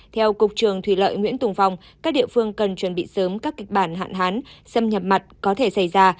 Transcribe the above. theo cục trường thủy lợi nguyễn tùng phong các địa phương cần chuẩn bị sớm các kịch bản hạn hán xâm nhập mặn có thể xảy ra